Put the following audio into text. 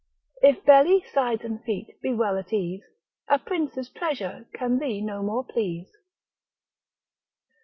If belly, sides and feet be well at ease, A prince's treasure can thee no more please.